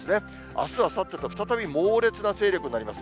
あす、あさってと再び猛烈な勢力になります。